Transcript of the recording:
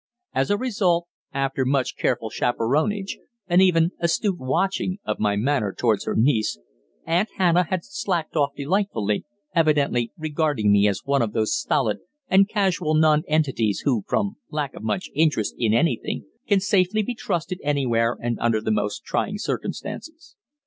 As a result, after much careful chaperonage, and even astute watching, of my manner towards her niece, Aunt Hannah had "slacked off" delightfully, evidently regarding me as one of those stolid and casual nonentities who, from lack of much interest in anything can safely be trusted anywhere and under the most trying circumstances.